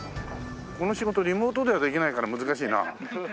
この仕事リモートではできないから難しいな。